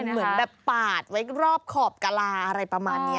เหมือนแบบปาดไว้รอบขอบกะลาอะไรประมาณนี้